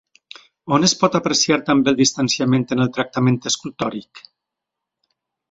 On es pot apreciar també el distanciament en el tractament escultòric?